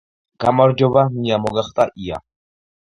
გამარჯობა ნია მოგახტა ია